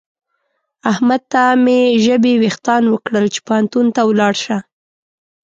احمد ته مې ژبې وېښتان وکړل چې پوهنتون ته ولاړ شه.